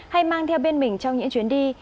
hay mang theo bên mình trong những chuyến đi